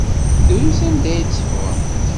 Drus anda ay tteffɣent.